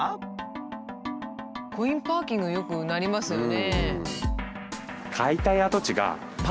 コインパーキングよくなりますよね。